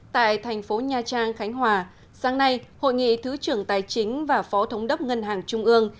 tại thành phố nha trang khánh hòa sáng nay hội nghị thứ trưởng tài chính và phó thống đốc ngân hàng trung ương